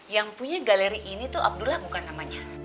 yang punya galeri ini tuh abdullah bukan namanya